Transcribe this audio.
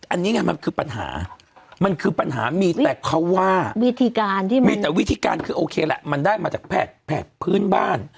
อันนี้มันคือปัญหามีแต่วิธีการคือโอเคแหละมันได้มาจากแผดแผดพื้นบ้าน